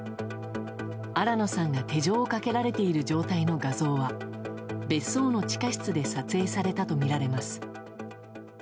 新野さんが手錠をかけられている状態の画像は別荘の地下室で撮影されたとみられます。